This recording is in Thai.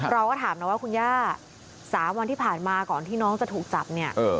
เราก็ถามนะว่าคุณย่า๓วันที่ผ่านมาก่อนที่น้องจะถูกจับเนี่ย